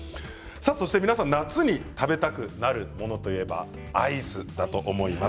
皆さん、夏に食べたくなるものといえばアイスだと思います。